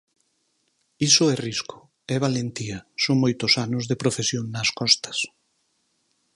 Iso é risco, é valentía, son moitos anos de profesión nas costas.